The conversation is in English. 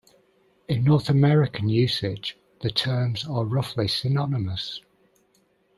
In North American usage, the terms are roughly synonymous.